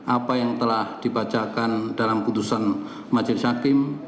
apa yang telah dibacakan dalam putusan majelis hakim